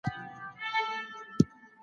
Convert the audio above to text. ایا بهرني سوداګر خندان پسته پروسس کوي؟